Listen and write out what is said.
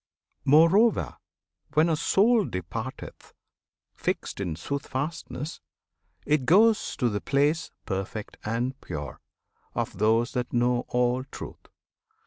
Moreover, when a soul departeth, fixed In Soothfastness, it goeth to the place Perfect and pure of those that know all Truth.